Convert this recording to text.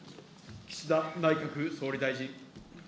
岸田内閣総理大臣。